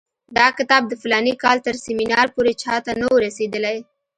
دا کتاب د فلاني کال تر سیمینار پورې چا ته نه وو رسېدلی.